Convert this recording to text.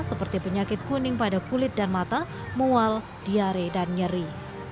seperti penyakit kuning pada kulit dan mata mual diare dan nyeri